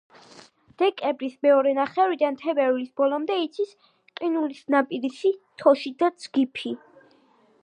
დეკემბრის მეორე ნახევრიდან თებერვლის ბოლომდე იცის ყინულნაპირისი, თოში და ძგიფი.